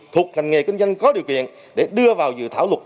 thuộc ngành nghề kinh doanh có điều kiện để đưa vào dự thảo luật